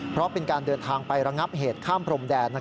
เพราะเป็นการเดินทางไประงับเหตุข้ามพรมแดน